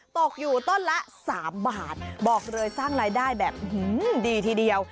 ตกอยู่ต้นละ๓บาทบอกเลยสร้างรายได้แบบดีทีเดียว